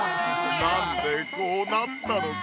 なんでこうなったのか。